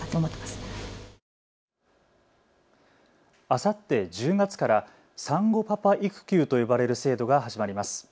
あさって１０月から産後パパ育休と呼ばれる制度が始まります。